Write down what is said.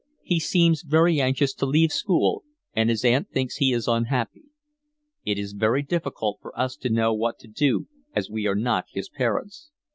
He seems very anxious to leave school, and his Aunt thinks he is unhappy. It is very difficult for us to know what to do as we are not his parents.